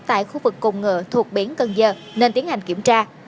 tại khu vực cùng ngựa thuộc biển cần giờ nên tiến hành kiểm tra